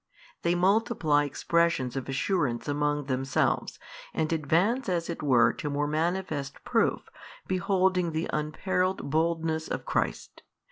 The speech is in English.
They multiply expressions of assurance among themselves, and advance as it were to more manifest proof, beholding the unperilled boldness of Christ.